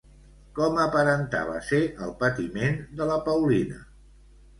Com aparentava ser el patiment de la Paulina?